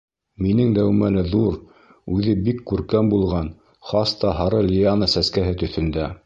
Минең дәүмәле ҙур, үҙе бик күркәм булған, хас та һары лиана сәскәһе төҫөндә.